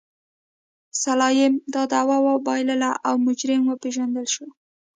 سلایم دا دعوه وبایلله او مجرم وپېژندل شو.